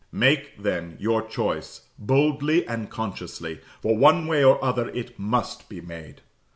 Make, then, your choice, boldly and consciously, for one way or other it must be made.